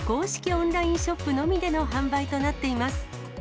オンラインショップのみでの販売となっています。